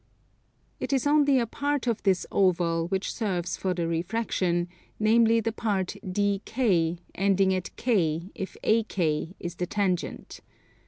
It is only a part of this oval which serves for the refraction, namely, the part DK, ending at K, if AK is the tangent.